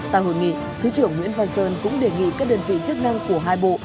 tại hội nghị thứ trưởng nguyễn văn sơn cũng đề nghị các đơn vị chức năng của hai bộ